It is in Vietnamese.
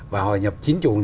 và họ nhập chín mươi